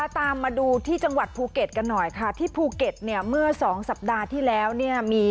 ตามมาดูที่จังหวัดภูเก็ตกันหน่อยค่ะที่ภูเก็ตเนี่ยเมื่อสองสัปดาห์ที่แล้วเนี่ยมี